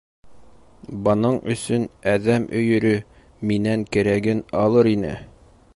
Бының өсөн әҙәм өйөрө минән кәрәген алыр ине.